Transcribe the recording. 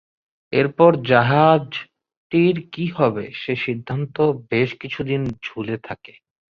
এরপর জাহাজটির কি হবে সে সিদ্ধান্ত বেশ কিছু দিন ঝুলে থাকে।